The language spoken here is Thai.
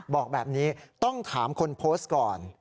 บอกแบบนี้ต้องถามคนโพสต์ก่อน